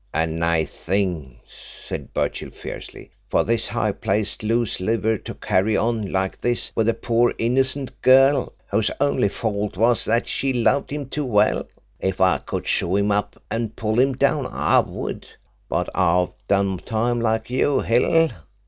'A nice thing,' said Birchill fiercely, 'for this high placed loose liver to carry on like this with a poor innocent girl whose only fault was that she loved him too well. If I could show him up and pull him down, I would. But I've done time, like you, Hill.